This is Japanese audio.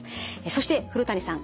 そして古谷さん